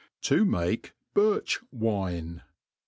To make Birch lVine.